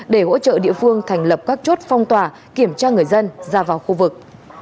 để hỗ trợ địa phương thành lập các chốt phong tỏa kiểm tra người dân ra vào khu vực